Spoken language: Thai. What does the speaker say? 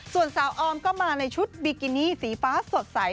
ส่วนสาวออมก็มาในชุดบิกินี่สีฟ้าสดใส